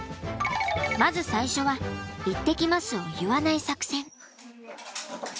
まず最初は「行ってきます」を言わない作戦。